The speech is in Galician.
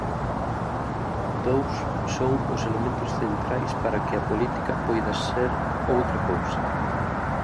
Dous son os elementos centrais para que a política poida ser outra cousa.